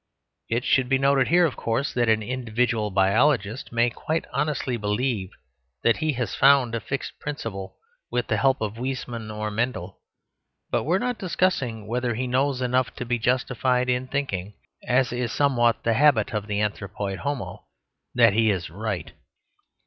It should be noted here, of course, that an individual biologist may quite honestly believe that he has found a fixed principle with the help of Weissmann or Mendel. But we are not discussing whether he knows enough to be justified in thinking (as is somewhat the habit of the anthropoid Homo) that he is right.